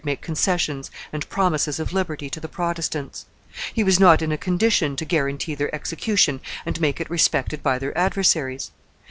make concessions and promises of liberty to the Protestants; he was not in a condition to guarantee their execution and make it respected by their adversaries.